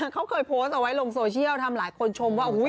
เขาเคยโพสต์เอาไว้ลงโซเชียลทำหลายคนชมว่า